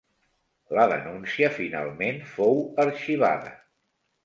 La denúncia finalment fou arxivada.